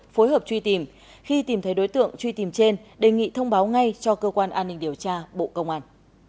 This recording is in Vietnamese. phối hợp truy tìm khi tìm thấy đối tượng truy tìm trên đề nghị thông báo ngay cho cơ quan an ninh điều tra bộ công an